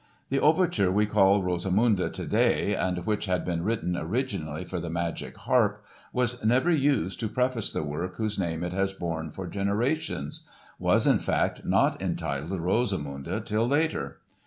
The Overture we call Rosamunde today and which had been written originally for The Magic Harp was never used to preface the work whose name it has borne for generations—was, in fact, not entitled Rosamunde till later.